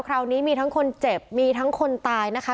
คราวนี้มีทั้งคนเจ็บมีทั้งคนตายนะคะ